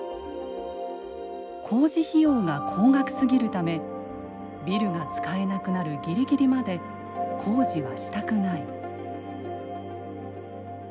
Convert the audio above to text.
工事費用が高額すぎるためビルが使えなくなるギリギリまで工事はしたくない。